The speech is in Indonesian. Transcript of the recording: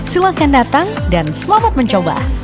silahkan datang dan selamat mencoba